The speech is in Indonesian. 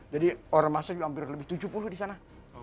jadi ormasnya juga hampir lebih tujuh puluh di sana